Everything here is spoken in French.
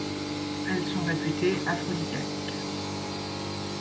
Elles sont réputées aphrodisiaques.